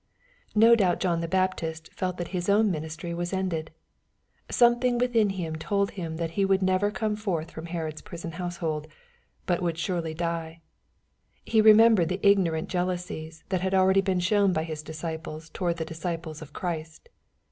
No doubt John the Baptist felt that his own ministry was ended. Something within him told him that he would never come forth from Herod's piison house, but would surely die. He remembered the ignorant jealousies that had already been shown by his disciples towards the disciples of Christ.